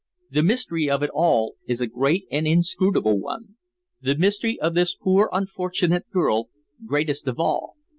The mystery of it all is a great and inscrutable one the mystery of this poor unfortunate girl, greatest of all.